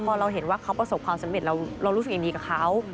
พอเราเห็นว่าเขาประสบความสำเร็จเรารู้สึกอย่างดีกับเขา